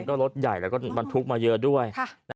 ก็รถใหญ่แล้วก็บรรทุกมาเยอะด้วย